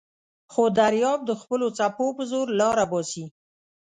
خو دریاب د خپلو څپو په زور لاره باسي.